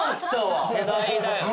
世代だよね。